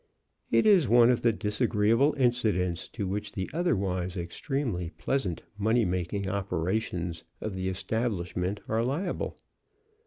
It is one of the disagreeable incidents to which the otherwise extremely pleasant money making operations of the establishment are liable.